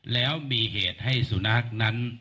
แล้วมีเหตุให้สุนัขนั้น